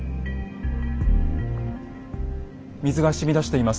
水がしみ出しています。